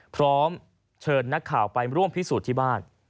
พร้อมเชิญนักข่าวไปร่วมพิสูจน์ที่บ้าน